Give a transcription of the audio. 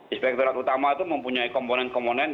inspektorat utama itu mempunyai komponen komponen